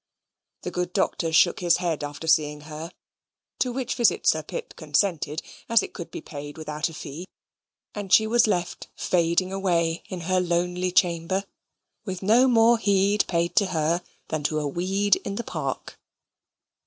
The good doctor shook his head after seeing her; to which visit Sir Pitt consented, as it could be paid without a fee; and she was left fading away in her lonely chamber, with no more heed paid to her than to a weed in the park.